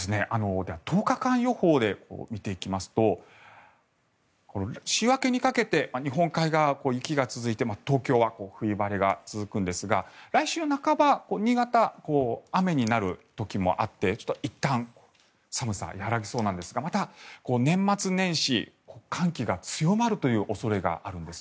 １０日間予報で見ていきますと週明けにかけて日本海側は雪が続いて東京は冬晴れが続くんですが来週半ば新潟、雨になるところもあっていったん寒さは和らぎそうなんですがまた、年末年始寒気が強まる恐れがあるんです。